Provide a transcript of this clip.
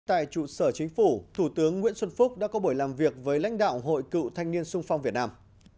tại trụ sở chính phủ thủ tướng nguyễn xuân phúc đã có buổi làm việc với lãnh đạo hội cựu thanh niên sung phong việt nam